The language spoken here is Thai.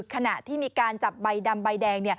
ขณะที่มีการจับใบดำใบแดง